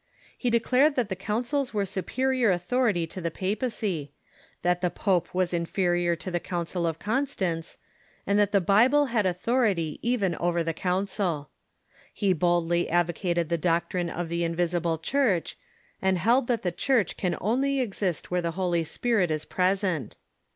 He de Clemanges , t ,,.,... clared that the councils were superior authority to the papacy, that the pope was inferior to the Council of Con stance, and that the Bible had authority even over the council. He boldly advocated the doctrine of the invisible Church, and held that the Church can only exist where the Holy Spirit is present.